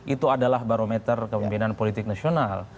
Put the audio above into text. itu adalah barometer kepemimpinan politik nasional